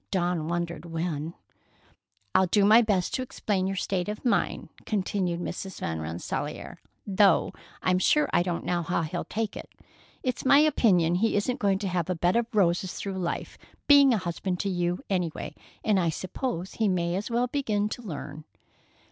Dawn wondered when. "I'll do my best to explain your state of mind," continued Mrs. Van Rensselaer, "though I'm sure I don't know how he'll take it. It's my opinion he isn't going to have a bed of roses through life, being a husband to you, any way, and I suppose he may as well begin to learn."